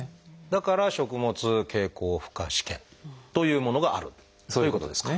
だから食物経口負荷試験というものがあるということですか？